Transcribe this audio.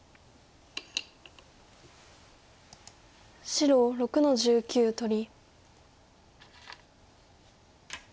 白６の十九取り。